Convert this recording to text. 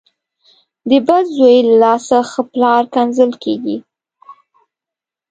ـ د بد زوی له لاسه ښه پلار کنځل کېږي .